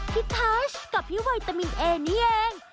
พี่ไทยกับพี่ไวตามินเอนี่เอง